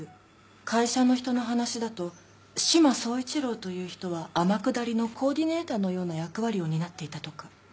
会社の人の話だと志摩総一郎という人は天下りのコーディネーターのような役割を担っていたとか。